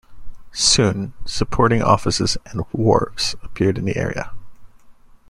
Soon, supporting offices and wharves appeared in the area.